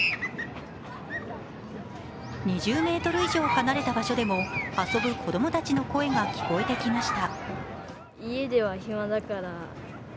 ２０ｍ以上離れた場所でも遊ぶ子供たちの声が聞こえてきました。